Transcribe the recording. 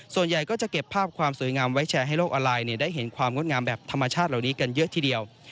ส่วนใหญ่ก็จะเก็บภาพความสวยงามไว้แชร์ให้โลกออนไลน์ได้เห็นความงดงามแบบธรรมชาติเหล่านี้กันเยอะทีเดียว